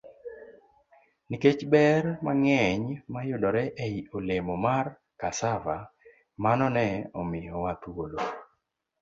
Nikech ber mang'eny mayudore ei olemo mar cassava, mano ne omiyowa thuolo